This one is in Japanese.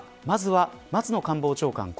まずは松野官房長官